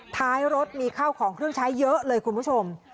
ท้ายรถมีข้าวของเครื่องใช้เยอะเลยคุณผู้ชม